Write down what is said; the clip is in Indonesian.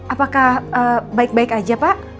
apakah baik baik aja pak